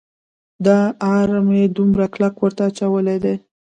دا اړم یې دومره کلک ورته اچولی دی.